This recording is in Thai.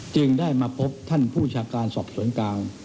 จึงได้มาพบท่านผู้ชาการสอบสวนกลาง